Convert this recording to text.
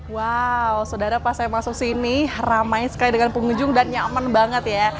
wow sodara pas saya masuk sini ramai sekali dengan pengunjung dan nyaman banget ya